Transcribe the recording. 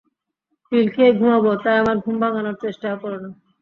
পিল খেয়ে ঘুমাবো, তাই আমার ঘুম ভাঙানোর চেষ্টাও করো না!